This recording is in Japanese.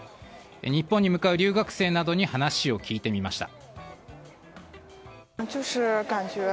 日本に向かう留学生などに話を聞いてみました。